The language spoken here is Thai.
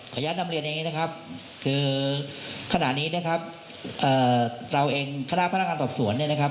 ขออนุญาตนำเรียนอย่างนี้นะครับคือขณะนี้นะครับ